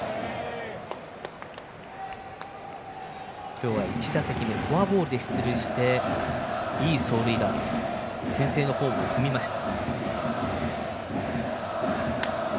今日は１打席目フォアボールで出塁していい走塁があって先制のホームを踏みました。